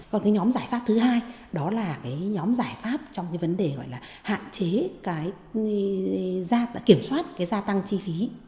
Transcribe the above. còn nhóm giải pháp thứ hai đó là nhóm giải pháp trong vấn đề hạn chế kiểm soát gia tăng chi phí